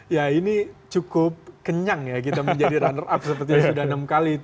ya ini cukup kenyang ya kita menjadi runner up seperti yang sudah enam kali